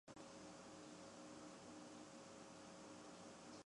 射辐射对入射辐射的它将包括弥漫性和镜面反射辐射反映。